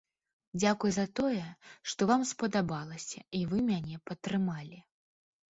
Дзякуй за тое, што вам спадабалася і вы мяне падтрымалі.